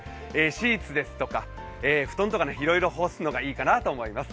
シーツですとか、布団とかねいろいろ干すのがいいかなと思います。